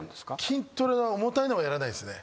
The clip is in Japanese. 筋トレは重たいのはやらないですね。